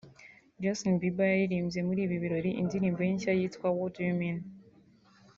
Justin Bieber yaririmbye muri ibi birori indirimbo ye nshya yitwa ‘What Do You Mean